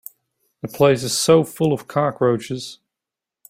The place is so full of cockroaches.